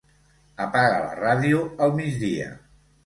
Apaga la ràdio al migdia.